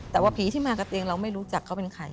แต่ว่าผีที่มากับเตียงเราไม่รู้จักเขาเป็นใคร